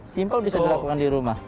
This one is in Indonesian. simpel bisa dilakukan di rumah